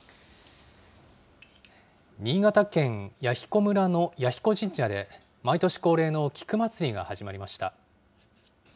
新潟県弥彦村の彌彦神社で、毎年恒例の菊まつりが始まりました。